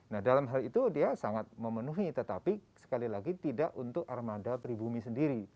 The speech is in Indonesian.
nah dalam hal itu dia sangat memenuhi tetapi sekali lagi tidak untuk armada pribumi sendiri